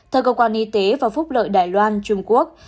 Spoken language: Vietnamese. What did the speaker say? theo cơ quan y tế và phúc lợi đài loan trung quốc